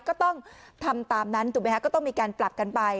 ก็ต้องทำตามนั้นถูกไหมคะก็ต้องมีการปรับกันไป